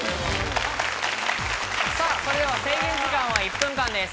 それでは制限時間は１分間です。